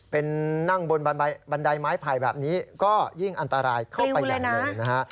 เป็นนั่งบนบันไดไม้ไผ่แบบนี้ก็ยิ่งอันตรายเข้าไปอย่างหนึ่งนะฮะ